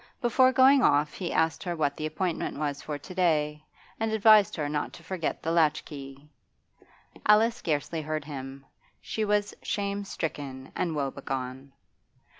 Before going off he asked her what the appointment was for to day, and advised her not to forget her latch key. Alice scarcely heard him, she was shame stricken and wobegone.